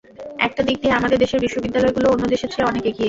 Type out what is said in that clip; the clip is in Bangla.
একটা দিক দিয়ে আমাদের দেশের বিশ্ববিদ্যালয়গুলো অন্য দেশের চেয়ে অনেক এগিয়ে।